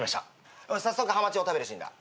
早速ハマチを食べるシーンだ。